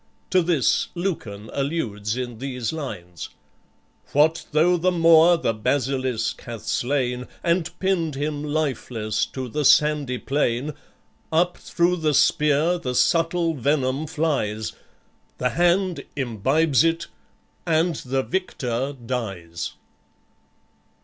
To this Lucan alludes in these lines: "What though the Moor the basilisk hath slain, And pinned him lifeless to the sandy plain, Up through the spear the subtle venom flies, The hand imbibes it, and the victor dies."